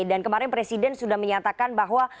dan kemarin presiden sudah menyatakan bahwa